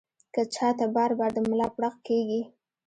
کۀ چاته بار بار د ملا پړق کيږي